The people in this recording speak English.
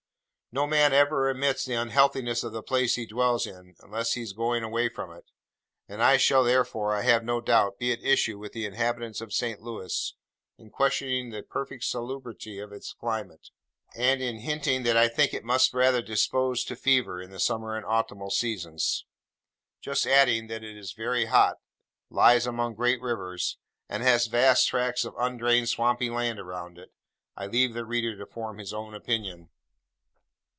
No man ever admits the unhealthiness of the place he dwells in (unless he is going away from it), and I shall therefore, I have no doubt, be at issue with the inhabitants of St. Louis, in questioning the perfect salubrity of its climate, and in hinting that I think it must rather dispose to fever, in the summer and autumnal seasons. Just adding, that it is very hot, lies among great rivers, and has vast tracts of undrained swampy land around it, I leave the reader to form his own opinion.